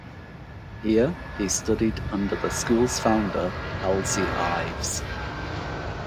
Here, he studied under the school's founder, Halsey Ives.